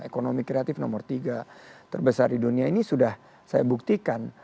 ekonomi kreatif nomor tiga terbesar di dunia ini sudah saya buktikan